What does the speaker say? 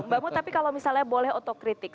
mbak mut tapi kalau misalnya boleh otokritik